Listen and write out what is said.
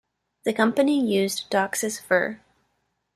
The company used Docsis ver.